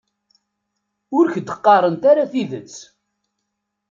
Ur k-d-qqarent ara tidet.